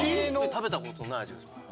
食べたことない味がします。